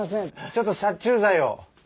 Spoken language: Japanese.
ちょっと殺虫剤を。